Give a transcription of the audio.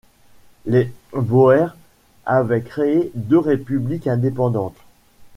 Les Boers avaient créé deux républiques indépendantes.